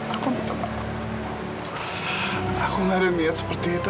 aku gak ada niat seperti itu